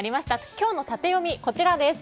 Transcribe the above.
今日のタテヨミ、こちらです。